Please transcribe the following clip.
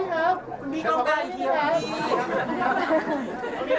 ขอบคุณพี่ด้วยนะครับ